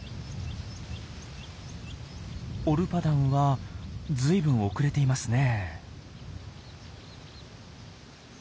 オルパダンは随分遅れていますね。